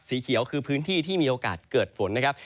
สีเขียวคือพื้นที่ที่มีโอกาสเกิดฝนนะครับ